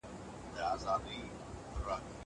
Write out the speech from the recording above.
چې ته یې ولیدې اوس هرګړی سینه ټکوي